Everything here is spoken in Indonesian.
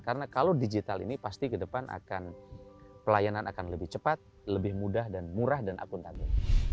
karena kalau digital ini pasti ke depan akan pelayanan akan lebih cepat lebih mudah dan murah dan akuntabel